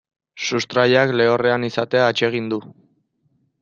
Sustraiak lehorrean izatea atsegin du.